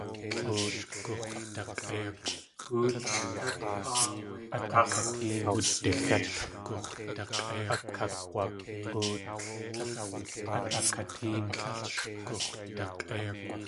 Gootl kát áa wé g̲áx̲.